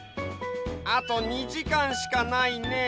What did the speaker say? あと２じかんしかないね。